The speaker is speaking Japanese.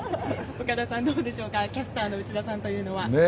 岡田さん、どうでしょうキャスターの内田さんは。